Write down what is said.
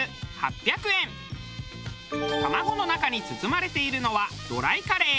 卵の中に包まれているのはドライカレー。